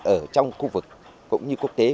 ở trong khu vực cũng như quốc tế